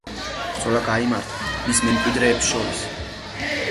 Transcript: ბრძოლა გაიმართა მის მემკვიდრეებს შორის.